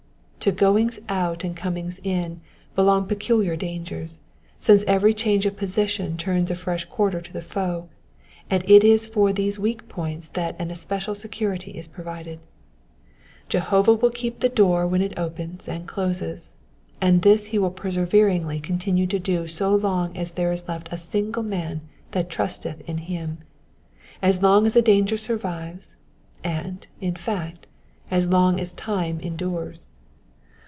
To goings out and comings in belong peculiar dangers, since every change of position turns a fresh ouarter to the foe, and it is for these weak points that an especial security is provided : Jehovah will keep the door when it opens and closes, and this he will perseveringly continue to do so long as there is left a single man that trusteth in him, as long as a danger survives, and, in fact, as long as time endures.